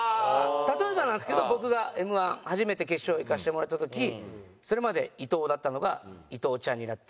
例えばなんですけど僕がＭ−１初めて決勝行かせてもらった時それまで「伊藤」だったのが「伊藤ちゃん」になって。